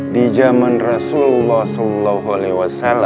di jaman rasulullah saw